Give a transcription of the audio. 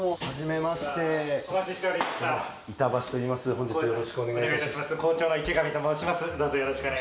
本日よろしくお願いいたします。